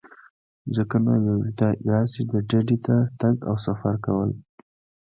ځکه نو یوې داسې ډډې ته تګ او سفر کول.